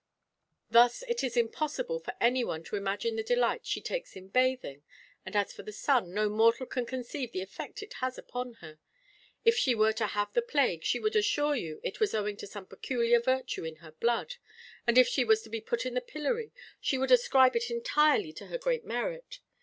Thus it is impossible for anyone to imagine the delight she takes in bathing; and as for the sun, no mortal can conceive the effect it has upon her. If she was to have the plague she would assure you it was owing to some peculiar virtue in her blood; and if she was to be put in the pillory she would ascribe it entirely to her great merit.